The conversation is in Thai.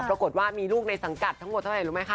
ปรอกฎว่ามีลูกในสังกัดแล้วหมดต้องกินน่ะรู้มั้ยคะ